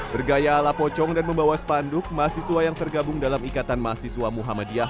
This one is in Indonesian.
bergaya ala pocong dan membawa spanduk mahasiswa yang tergabung dalam ikatan mahasiswa muhammadiyah